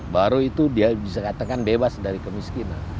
baru itu dia bisa katakan bebas dari kemiskinan